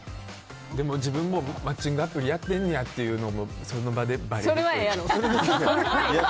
でも自分もマッチングアプリやってんねやっていうのもそれはええやろ。